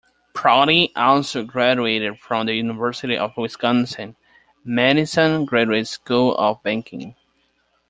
Prouty also graduated from the University of Wisconsin-Madison Graduate School of Banking.